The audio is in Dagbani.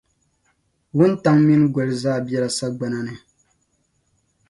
Wuntaŋa mini goli zaa bela sagbana ni.